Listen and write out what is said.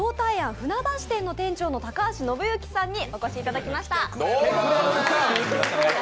船橋店の店長の高橋信行さんにお越しいただきました。